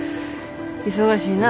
忙しいな。